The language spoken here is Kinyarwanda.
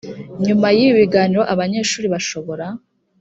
nyuma y ibi biganiro abanyeshuri bashobora